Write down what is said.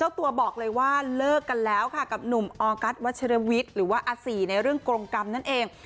ตัวบอกเลยว่าเลิกกันแล้วค่ะกับหนุ่มออกัสวัชรวิทย์หรือว่าอสี่ในเรื่องกรงกรรมนั่นเอง